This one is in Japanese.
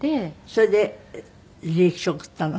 それで履歴書送ったの？